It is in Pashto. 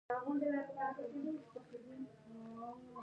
پابندی غرونه د افغانستان د اقتصاد برخه ده.